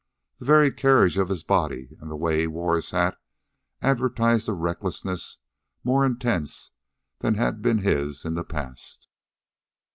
The very carriage of his body and the way he wore his hat advertised a recklessness more intense than had been his in the past.